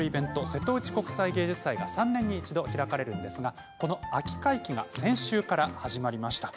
瀬戸内国際芸術祭が３年に一度、開かれるんですがこの秋会期が先週から始まりました。